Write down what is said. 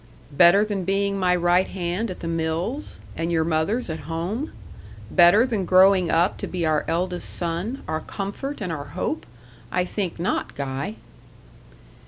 "Better than being my right hand at the mills, and your mother's at home? Better than growing up to be our eldest son, our comfort and our hope? I think not, Guy."